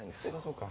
そうか。